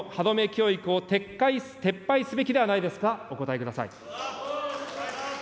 教育を撤廃すべきではないですか、お答えください。